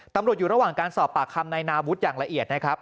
ตำรวจอยู่ระหว่างการสอบปากคำนายนาวุฒิอย่างละเอียดนะครับ